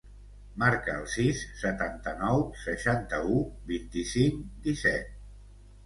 Marca el sis, setanta-nou, seixanta-u, vint-i-cinc, disset.